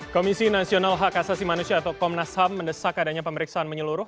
komisi nasional hak asasi manusia atau komnas ham mendesak adanya pemeriksaan menyeluruh